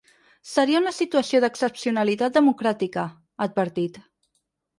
Seria una situació d’excepcionalitat democràtica, ha advertit.